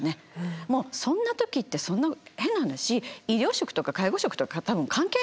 もうそんな時って変な話医療職とか介護職とか多分関係ない気がするんです。